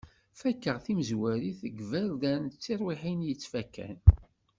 Faket timezwarit deg yiberdan, d tirwiḥin i yettfakan.